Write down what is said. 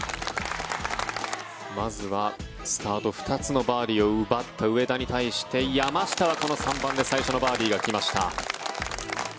まずはスタート２つのバーディーを奪った上田に対して山下はこの３番で最初のバーディーが来ました。